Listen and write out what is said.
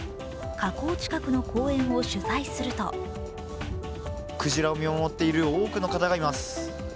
河口近くの公園を取材するとクジラを見守っている多くの方がいます。